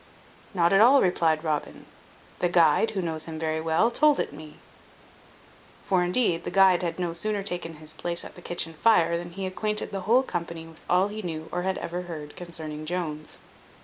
"Not at all," replied Robin; "the guide, who knows him very well, told it me." For, indeed, the guide had no sooner taken his place at the kitchen fire, than he acquainted the whole company with all he knew or had ever heard concerning Jones.